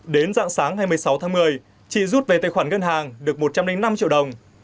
đến dạng sáng ngày một mươi sáu tháng một mươi chị rút về tài khoản ngân hàng được một trăm linh năm triệu đồng